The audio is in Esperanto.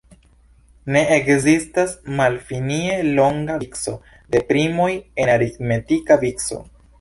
Ne ekzistas malfinie longa vico de primoj en aritmetika vico.